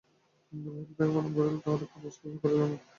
দূর হইতেই তাঁহাকে প্রণাম করিল, তাঁহার পাদস্পর্শ করিল না।